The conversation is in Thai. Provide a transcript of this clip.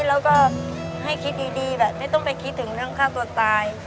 แล้วก็ให้คิดดีแบบไม่ต้องไปคิดถึงเรื่องฆ่าตัวตาย